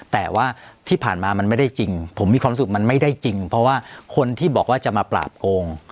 แต่ว่าที่ผ่านมามันไม่ได้จริงผมมีความรู้สึกมันไม่ได้จริงเพราะว่าคนที่บอกว่าจะมาปราบโกง